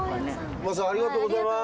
ありがとうございます。